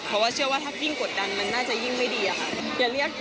เพราะว่าเชื่อว่าถ้ายิ่งกดดันมันน่าจะยิ่งไม่ดีอะค่ะ